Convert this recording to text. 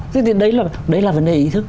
thế thì đấy là vấn đề ý thức